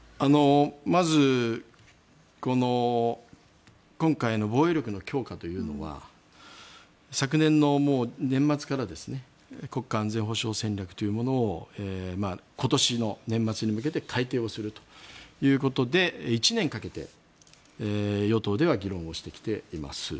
まずこの今回の防衛力の強化というのは昨年の年末から国家安全保障戦略というものを今年の年末に向けて改定をするというので１年かけて与党では議論をしてきています。